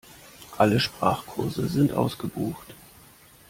Alle Sprachkurse sind ausgebucht.